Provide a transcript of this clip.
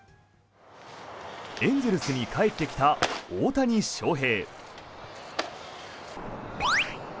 エンゼルスに帰ってきた大谷翔平。